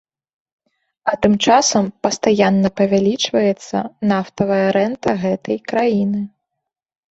А тым часам пастаянна павялічваецца нафтавая рэнта гэтай краіны.